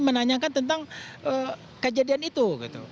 menanyakan tentang kejadian itu